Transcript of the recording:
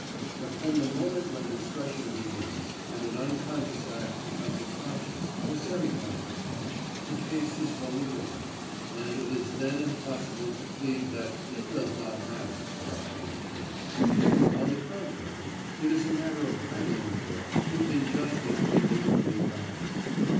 But from the moment when discussion begins, and an unconscious act becomes a conscious or semi conscious one, the case is wholly different, and it is then impossible to plead that "it does not matter" about one's food. On the contrary, it is a matter of vital import if injustice be deliberately practised.